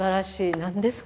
何ですか？